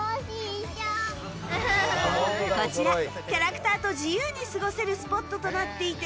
こちらキャラクターと自由に過ごせるスポットとなっていて